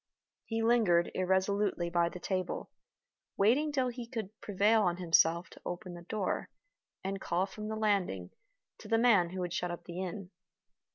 He lingered irresolutely by the table, waiting till he could prevail on himself to open the door, and call from the landing, to the man who had shut up the inn.